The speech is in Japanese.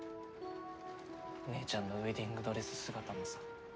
姉ちゃんのウエディングドレス姿もさ。